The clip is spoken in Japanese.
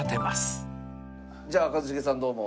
じゃあ一茂さんどうも。